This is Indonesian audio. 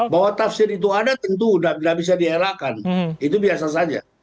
bahwa tafsir itu ada tentu tidak bisa dierakan itu biasa saja